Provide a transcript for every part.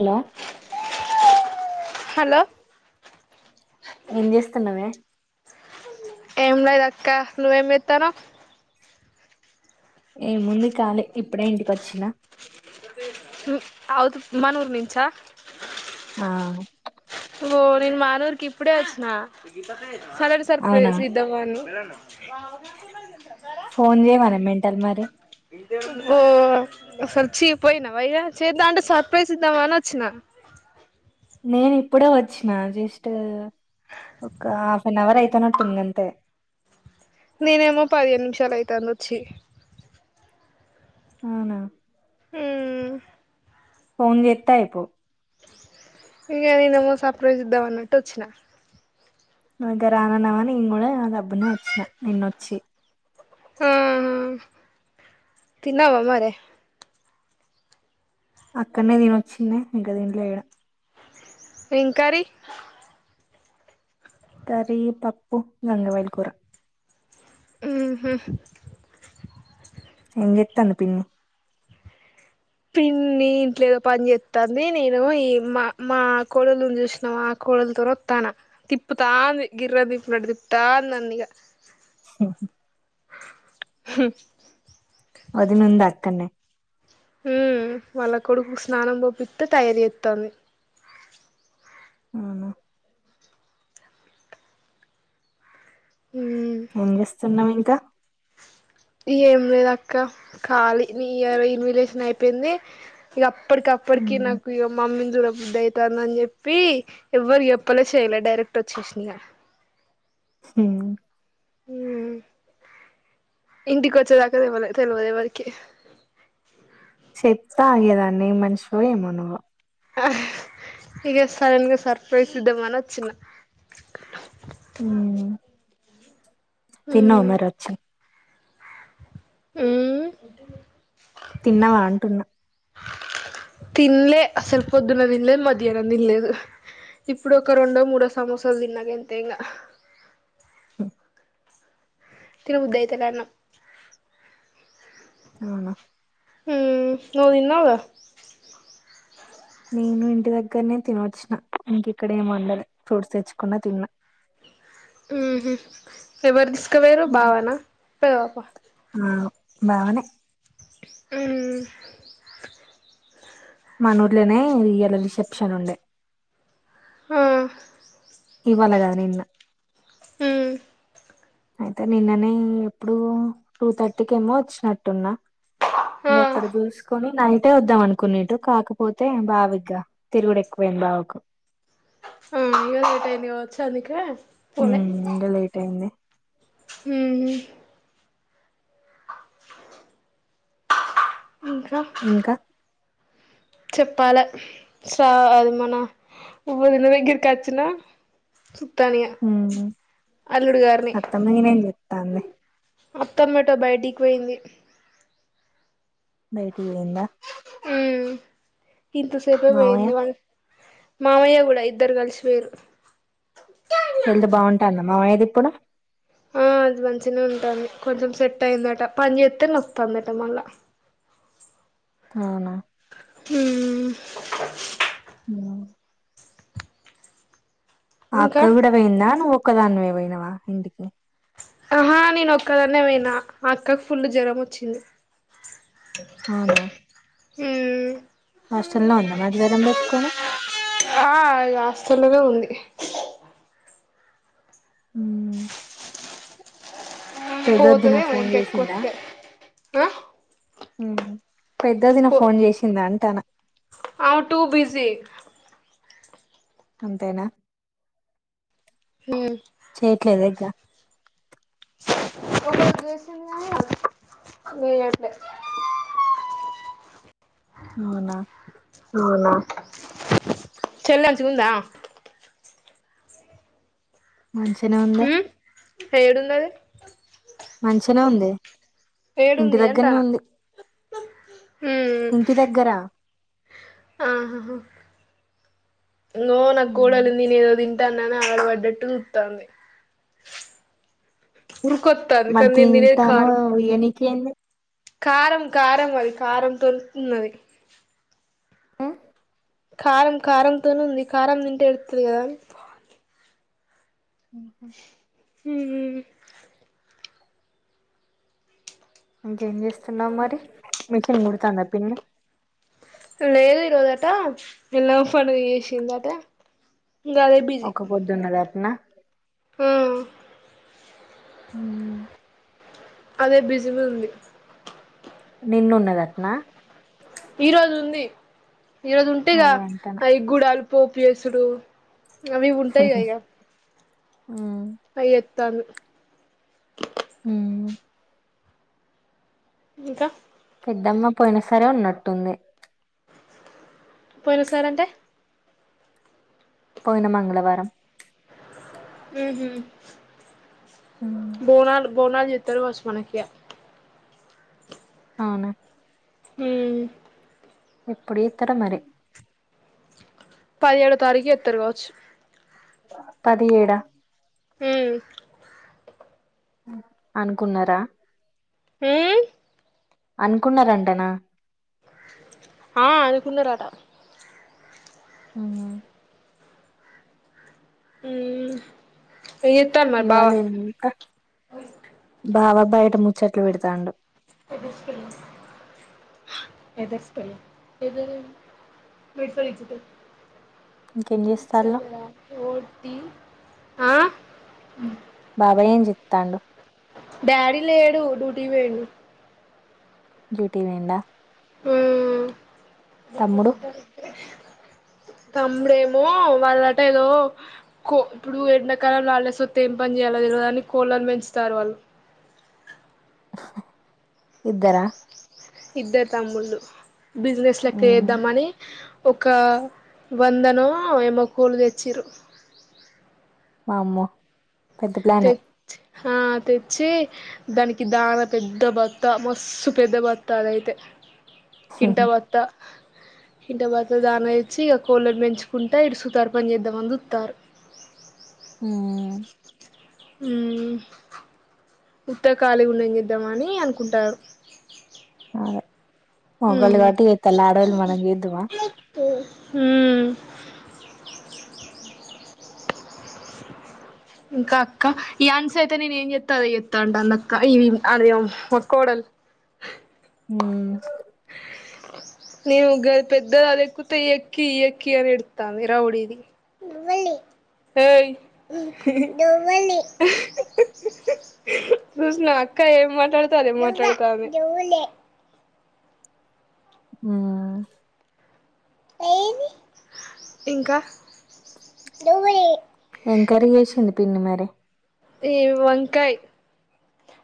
Hello hello ఏం చేస్తున్నావే ఏం లేదు అక్క నువ్వేం ఇస్తాను ఏముంది కాలే ఇప్పుడే ఇంటికి వచ్చినా అవుదు మనూరు నుంచా ఆ ఓ నేను మానూరికి ఇప్పుడే వచ్చిన సరం సర్ ప్రై అవునా ఇద్దావాను ఫోన్ చేయమనే మెంటల్ మరి ఓ అసలు చీపోయినా వయ్యా చేద్దా అంటే సర్ప్రైజ్ ఇద్దామ అని వచ్చినా నేను ఇప్పుడే వచ్చిన జస్ట్ ఒక హాఫ్ అన్ అవర్ అయి పత్తనటి ఇంగంత నేనేమో పదిహేను నిమిషాలు అయితుంది వచ్చి అవునా ఉ ఫోన్ చెత్తాపో ఇంకా నేనే ఏమో సర్ప్రైజ్ ఇద్దామ అన్నట్టు వచ్చినా అంటే రానన్నావా ఆ తిన్నావా మరే అక్కనే దీని వచ్చిందిే ఇంకా దీంట్లో వేయడం ఏం కర్రీ కర్రీ పప్పుూ గంగవేల్ కూూర ఊహు ఎంగేత్తను పిన్న పిన్ని ఇంట్లో ఏదో పని చేస్తాంది నేను ఈ మా మా కోడలు ను చూసినాము ఆ కో త త తాన తిప్పుతాంద గిర్ర దిప్పు నడి తిప్పుతాంద నందీగ స హ ది ను దక్కనే ఉ వాళ్ళ కొడుకు స్నానం పపిస్తే తయారీ చేస్తుంది అవునా ఉమ్ ఏం చేస్తున్నాం ఇంకా ఏం లేదు అక్క ఖాళీ ఇయర్ ఇన్విటేషన్ అయిపోయింది ఇకప్పు ఇప్పటికి అప్పటికి ఉమ్. నాకు మమ్మీని దూరబుద్ద్ద అవుతుంది అని చెప్పి ఎవ్వరి చెప్పలే చేయలే డైరెక్ట్ పట్టచ్చిష్నిహ హ ఉమ్ ఇంటికి వచ్చేదాకా తెవలే తెలియదు ఎవరికి చెప్తా ఆగదాన్ని మనిషో ఏమోనువ ఆ ఇక స నన్గా సర్ప్రైజ్ ఇద్ద మన చిన్న తన్న ఉమెర్చ్చ ఆ తిన్నావా అంటున్నా తిల్లేసల్పుొద్దున్నది లేదు మధ్యహనం ని లేదు ఇప్పుడు ఒక రెండో మూడో సమోసాలు తిన్నాక ఎంత ఇంకా హ తరు ఉదయతారన్నాం అవునా నౌ దని నా వగా నేను ఇంటి దగ్గరనే తినవచ్చిన ఇంక ఇక్కడ ఏం వండదు ఫ్రూట్స్ తెచ్చకుండా తిన్నా ఉహ ఎవరు తీసుకోవరు హ్మ్. బావనా పెద పాప ఆ బావనే ఆ మానూర్లోనే రియల రిసెప్షన్ ఉండే ఆ ఇవాాల కదా నిన్న హ అయితే నిన్ననే ఎప్పుడు టూ థర్టీకిమో వచ్చినట్టున్నా ఆ అక్కడ చూసుకొని నైట్ ఒకట్టే వద్దాం అనుకునేట్టు కాకపోతే బావిగ్గా తిరుగు ఎక్కువైంది బావకు ఆ ఇ ఒక టైని వచ్చా అందుకు హ ఇకా లేైట్ అయింది హ ఇంకా చెప్పాల చ అది మన ఒవబ దిన వెకారుకాచ్చిన తనియా హ్మ్ అల్లుడు కారని అత్తమ్మ గిన ఏం చెత్తాంది అప్తమాటా బయటికిపోయింది బయటికి పోయిందా మ్మ్ ఇంతసేపే మావయ్య పోయింది వాళ్ళు మామయ్య కూడా ఇద్దరు కలిసి వేరు తెల్దు బాగుంటాందమ్ మామయది ఇప్పుడు మంచి మంచినే ఉంటుంది కొంచెం సెట్ అయి్యందట పని చేస్తతే న వస్తుందట మళ్ళా అవునా హ్మ్ ఇంకా అక్క కూడా పోయిందా నువ్వు ఒక్కదానివే పోయినావా ఇంటికి ఆహా నేను ఒక్కదన్నే పోయినా అక్కకి ఫుల్ జ్వరం వచ్చింది అవునా హ్మ్ హాస్టల్లో ఉందా మరి జ్వరం పెట్టుకొని ఆ హాస్టల్ లోనే ఉంది అ పోతది ఏమో ఫోన్ ఇంకా ఎక్కువ చేసిందా అయితే ఆ పెద్దదిన ఫోన్ చేసింది అంటాన హావు టూ బిజీ అంతేనా హ్మ్ చేయట్లేదా ఇగ ఒక ఉద్దేశం వేయట అవునా అవునా చెల్ంచికుందా మంచిగనే ఉందే హ్మ్ ఏడుందది మంచిగానే ఉంది ఇంటి ఏడుంది దగ్గరనే అంటానా ఉంది హ్మ్ ఇంటి దగ్గర ఆహా హా హా నవో నాకుడాల నేను ఏదో దం దన్నన్ని ఆగడ పడ్డట్టు చతుంది ఉురుకత్తా అందు కందని దినది కారు ఏందీ కారం కారం అది కారం తొలుతున్నది హ్మ్ కారం కారంతోనే ఉంది కారం తింటే ఎడుతది కదా ఉహ హ్మ్ ఇంకేం చేస్తున్నావ్ మరి మిషన్ కుడుతుంద పిం లేదు ఇరోదాటా ఎలా పడుదు చేషందాట ఒక పొద్దున్నది అట్నా మ్మ్ అ అదే బిజి ఉంది నిన్ను ఉన్నది అతనా ఈ రోజు ఉంది ఈరోజు ఉంటేగా అదే అంటన ఆ గుడాలు పోపు వేసుడు అవి ఉంటాయిగా ఇగ అయ్యత్తాలు మ్మ్ ఇంకా పెద్దమ్మ పోయిన సరే ఉన్నట్టుంది పొరు సారంటే పోయినా మంగళవారం మ్మ్ హ్మ్ ఉమ్. బోనాల్ బోనాల జీత్తరు వస్ మనకియా అవునా హ్మ్ ఎప్పుడే తర మరీ పదిహేడో తారీఖు చేతారు కావచ్చు పదిహేడా ఉ ఉ అనుకున్నారా ఊ అనుకున్నారంటానా ఆ అనుకున్నారట ఉహు ఊ ఎజెత్తాన్నడు ఇవాళ బావా బావా బయట ముచ్చట్లు పెడుతాండు [unintelligible] ఇంకేం చేస్తాళ్ళు ఆ బాబాయ్ ఏం చెత్తండు డాడీ లేడు డ్యూటీకి పోయిండు డ్యూటీ పోయిండా ఆ తమ్ముడు తమ్ముడు ఏమో వాళట దో కో ఇప్పుడు ఎండాకాలంలో హాల్ డేస్ వత్తే ఏం పని చేయాలలో తెలవదని కోళ్లని పెంచుతారు వాళ్ళు ఇద్దారా ఇద్దరు తమ్ముళ్ళు బిజినెస్ లెక్క మ్మ్ వేద్దామని ఒక వంద నో ఏమో కోళ్లు తెచ్చిర్రు వామ్మో పెద్ద ప్లానే తెచ్చి ఆ తెచ్చి దానికి దాన పెద్ద భత్త మస్సు పెద్ద బత్తా అదైతే కింటా భత్తా ఇంటి భత్త దాన ఇచ్చి ఇక కోళ్ళనీ పెంచుకుంటా ఇడు సుతార్పని చేద్దామనీ చుత్తరు ఊ ఊ ఉత్తగా ఖళీ ఉండం చేద్దామనీ అని అనుకుంటారు అదే మొగాళ్ళు ఉమ్ కాబట్టి చెత్తాళ్ళు ఆడోళ్లు మనం చేద్దుమా హు ఉ ఇంకా అక్క ఈ ఆన్సీ అయితే నేను ఏం చెస్తా చెస్తా అంటంది అందక్క ఈ అదే మా కోడలు హు నేను గది పెద్దది గది ఎక్కితే ఎక్కి ఎక్కి అని ఎడుత్తంది రౌడీది వెళ్ళలి ఏయ్ జ్యోస్న అక్క ఏం మాట్లాడుతే ఆది మాట్లాడుతాంది హువా ఏమి ఇంకా తిను మరి ఏ వంకాయ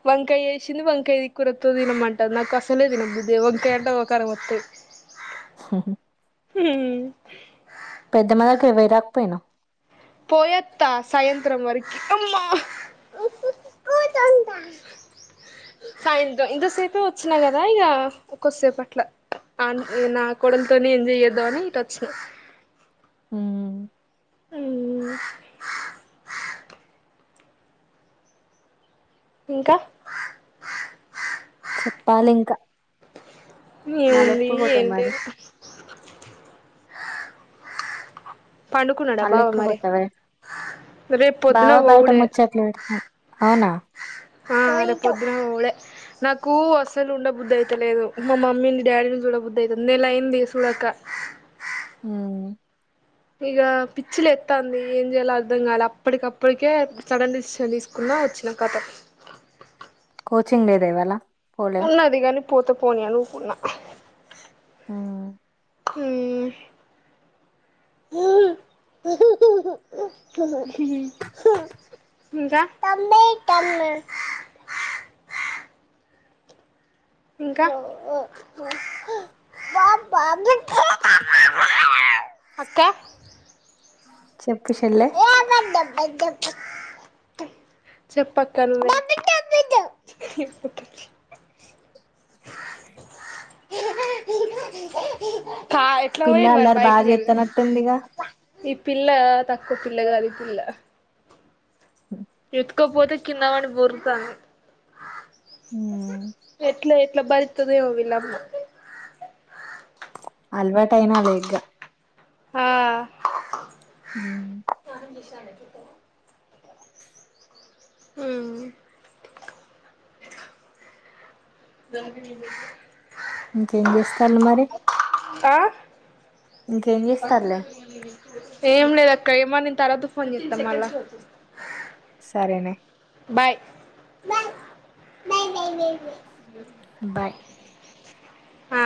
వంకాయ వేసింది వంకాయ కూరతో తినమంటారు నాకు అసలే తినబుద్ధే వంకాయ అంటే ఒకర వత్తాయి హహ హు పెద్ద మద కవై పోయారక పోయినవ్ పోయత్తా సాయంత్రం వరకి అమ్మా ఓతంటా సాయంత్రం ఇంతసేపే వచ్చిన కదా ఇగ కొద్దిసేపు అట్ల అవున్ నా కోడలతోనే ఎంజాయ్ చేద్దాం అని ఇటు వచ్చిన హు హూ ఇంకా చెప్పాలి ఇంక మళ్ళీ ఏముంది ఎప్పుడు ఏం పోతావ్ మరి లేదు పండుకున్నడ మళ్ళీ బావ ఎప్పుడు మరి పోతావే రేపు బావ పొద్దున్న బయట పోవుడే ముచ్చట్లు పెడతాను అవునా ఆ రేపు పొద్దునే పోవుడే నాకు అసలు ఉండబుది అయితలేదు మా మమ్మీని డాడీని చూడ బుది అయితుంది నెల అయింది చూడక ఉమ్ ఇక పిచ్చి లేత్తంది ఏం చేయలో అర్థం కాల అప్పటికప్పటికే సడన్ డేసిషన్ తీసుకున ఆ వచ్చినం కథ కోచింగ్ లేద ఇవళ ఉన్నది కాని పోతే పోని అని ఉకున ఆ ఉమ్ హి ఇంకా [inaudible] ఇంకా [inaudible] [unintelligible] [unintelligible] అక్క చెప్పు చెల్లె [unintelligible] చెప్పు అక్క నువ్వే చెప్పు [unintelligible] పా ఎట్లా పిల్ల పోయిరు మరి అల్లరి బైక్ బాగా మిధన చేస్తానట్టుందిగా పిల్ల తక్కువ పిల్ల కాదు ఈ పిల్ల ఎతుకొపోతే కిందవడి బొర్లుతాంది ఉమ్, ఎట్ల భరిత్తదో ఏమో వీళ్ళ అమ్మ అలవాటైనలే ఇక ఉమ్, ఆ ఉమ్ [unintelligible] ఇంకేం చేస్తాన్లు మరి ఆ ఇంకేం చేస్తారులే ఏం లేదు అక్క ఏమో నేను తర్వాత ఫోన్ చేస్తా మళ్ళా సరే నే బై బై ఆ